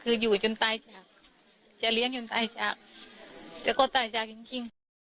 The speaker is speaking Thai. คืออยู่จนตายจากจะเลี้ยงจนตายจากแกก็ตายจากจริงจริง